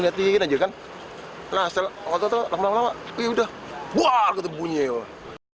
saya tidak berhasil mencari penyelesaian untuk mengambil alih dari tempat yang terdekat